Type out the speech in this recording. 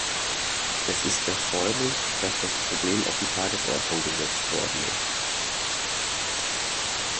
Es ist erfreulich, dass das Problem auf die Tagesordnung gesetzt worden ist.